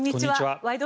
「ワイド！